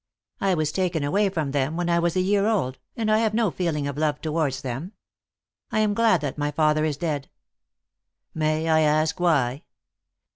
I was taken away from them when I was a year old, and I have no feeling of love towards them. I am glad that my father is dead." "May I ask why?"